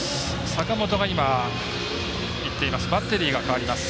坂本が、いっています。